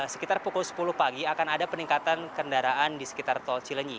sekitar pukul sepuluh pagi akan ada peningkatan kendaraan di sekitar tol cilenyi